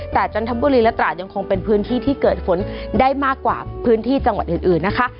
แต่จันทบุรีและตราดยังคงเป็นพื้นที่ที่เกิดฝนได้มากกว่าพื้นที่จังหวัดอื่นนะคะ